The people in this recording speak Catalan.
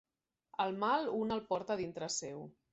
El mal un el porta a dintre seu.